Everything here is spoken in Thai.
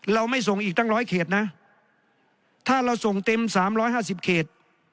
เราไม่ส่งอีกตั้งร้อยเขตนะถ้าเราส่งเต็มสามร้อยห้าสิบเขต